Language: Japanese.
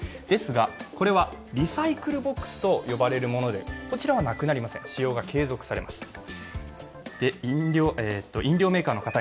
ですが、これはリサイクルボックスと呼ばれるものでして、こちらはなくなりません、使用が継続されます。